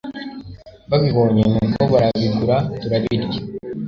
babibonye nuko barabigura turabirya